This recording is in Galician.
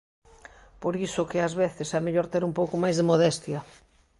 Por iso que ás veces é mellor ter un pouco máis de modestia.